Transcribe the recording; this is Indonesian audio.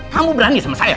kamu berani sama saya